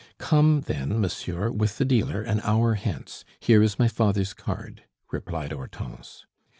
"Come, then, monsieur, with the dealer, an hour hence. Here is my father's card," replied Hortense.